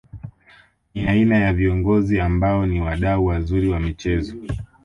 Ni aina ya viongozi ambao ni wadau wazuri wa michezo